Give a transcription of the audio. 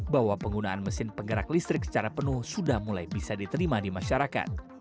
bahwa penggunaan mesin penggerak listrik secara penuh sudah mulai bisa diterima di masyarakat